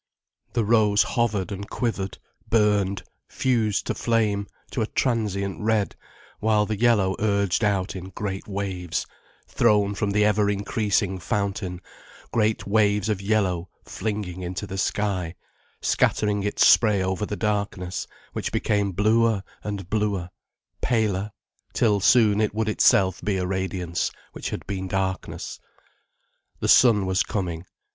The rose hovered and quivered, burned, fused to flame, to a transient red, while the yellow urged out in great waves, thrown from the ever increasing fountain, great waves of yellow flinging into the sky, scattering its spray over the darkness, which became bluer and bluer, paler, till soon it would itself be a radiance, which had been darkness. The sun was coming.